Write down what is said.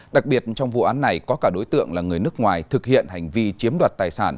đặc biệt trong vụ án này có cả đối tượng là người nước ngoài thực hiện hành vi chiếm đoạt tài sản